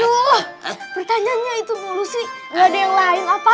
loh pertanyaannya itu mulu sih gak ada yang lain apa